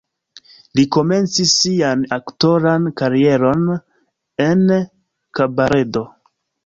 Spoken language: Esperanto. Li komencis sian aktoran karieron en kabaredo.